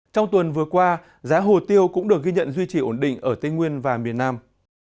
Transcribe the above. trong tuần vừa qua giá hồ tiêu cũng được ghi nhận duy trì ổn định ở tây nguyên và miền nam